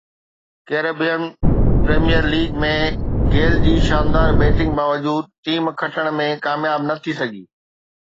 Caribbean premier league ۾ Gayle جي شاندار batting باوجود ٽيم کٽڻ ۾ ڪامياب نه ٿي سگهي